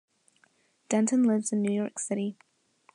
Denton lives in New York City.